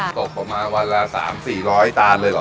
ตกประมาณวันละ๓๔๐๐ตานเลยเหรอ